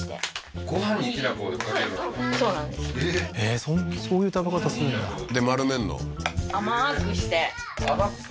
えっそういう食べ方するんだで丸めんの？